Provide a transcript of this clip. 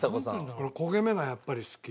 この焦げ目がやっぱり好き。